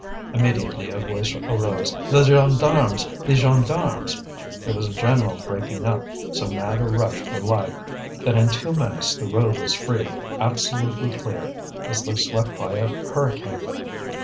Immediately a voice arose: "The gendarmes! the gendarmes!" There was a general breaking up, so mad a rush for life that in two minutes the road was free, absolutely clear, as though swept by a hurricane.